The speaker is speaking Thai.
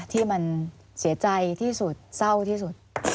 ที่มันเสียใจที่สุดเศร้าที่สุด